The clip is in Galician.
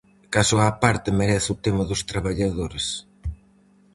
Caso á parte merece o tema dos traballadores.